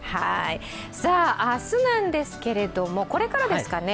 明日なんですけれども、これからですかね